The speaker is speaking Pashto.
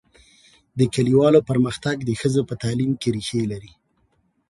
د کلیوالو پرمختګ د ښځو په تعلیم کې ریښې لري.